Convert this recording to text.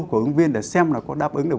của ứng viên để xem là có đáp ứng được